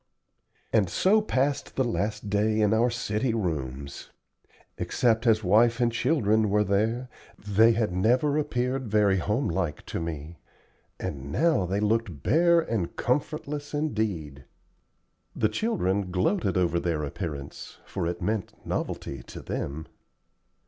And so passed the last day in our city rooms. Except as wife and children were there, they had never appeared very homelike to me, and now they looked bare and comfortless indeed. The children gloated over their appearance, for it meant novelty to them.